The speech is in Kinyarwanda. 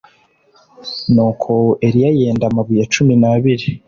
Nuko Eliya yenda amabuye cumi n’abiri